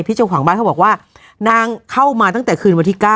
เจ้าของบ้านเขาบอกว่านางเข้ามาตั้งแต่คืนวันที่๙